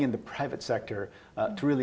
untuk memperkuat sektor pribadi